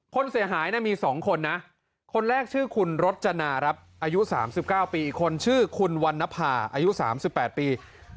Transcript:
คนเสียหายมี๒คนนะคนแรกชื่อคุณรจนาครับอายุ๓๙ปีอีกคนชื่อคุณวันนภาอายุ๓๘ปี